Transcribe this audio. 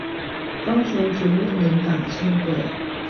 高雄捷運臨港輕軌